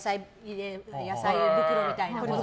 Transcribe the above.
野菜袋みたいなの。